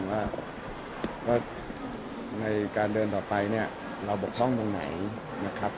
ว่าในการเดินต่อไปเนี่ยเราบกพร่องตรงไหนนะครับ